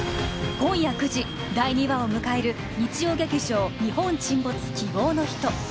今夜９時第２話を迎える日曜劇場「日本沈没−希望のひと−」